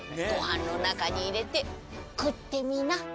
「ご飯の中に入れて食ってみな」。